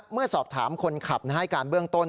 เมื่อสอบถามคนขับให้การเบื้องต้น